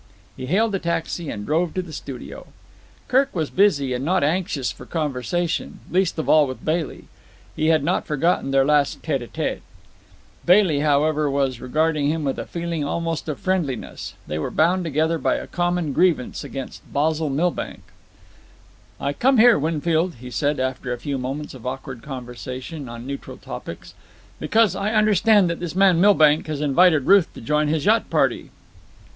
He hailed a taxi and drove to the studio. Kirk was busy and not anxious for conversation, least of all with Bailey. He had not forgotten their last tete a tete. Bailey, however, was regarding him with a feeling almost of friendliness. They were bound together by a common grievance against Basil Milbank. "I came here, Winfield," he said, after a few moments of awkward conversation on neutral topics, "because I understand that this man Milbank has invited Ruth to join his yacht party."